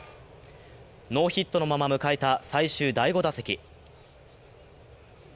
ノーヒットのまま迎えた最終第５打席。